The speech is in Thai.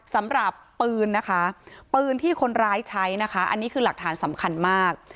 สำหรับปืนนะคะปืนที่คนร้ายใช้นะคะอันนี้คือหลักฐานสำคัญมาก